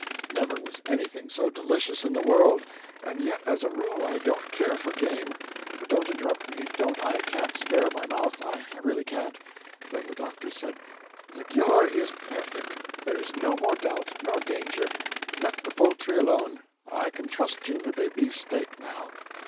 'Never was anything so delicious in the world; and yet as a rule I don't care for game. But don't interrupt me, don't I can't spare my mouth, I really can't.' Then the doctor said: 'The cure is perfect. There is no more doubt nor danger. Let the poultry alone; I can trust you with a beefsteak, now.'